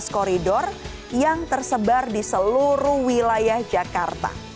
tujuh belas koridor yang tersebar di seluruh wilayah jakarta